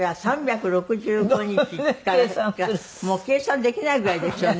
もう計算できないぐらいですよね。